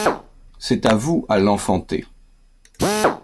C'est à vous à l'enfanter.